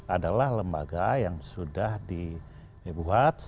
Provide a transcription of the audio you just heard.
adalah lembaga yang sudah dibuat